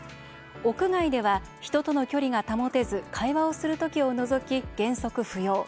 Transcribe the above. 屋外では人との距離が保てず会話をする時を除き、原則不要。